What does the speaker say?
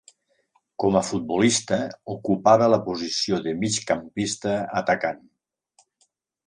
Com a futbolista ocupava la posició de migcampista atacant.